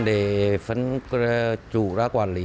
để phân chủ ra quản lý